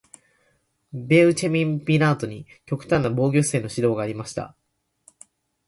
ベウチェミン・ピナードに極端な防御姿勢の指導がありました。